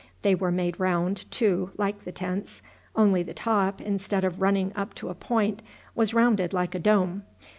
They were made round, too, like the tents, only the top, instead of running up to a point, was rounded like a dome.